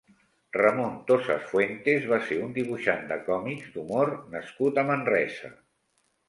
Ramon Tosas Fuentes va ser un dibuixant de còmics d'humor nascut a Manresa.